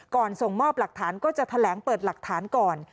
ส่งมอบหลักฐานก็จะแถลงเปิดหลักฐานก่อน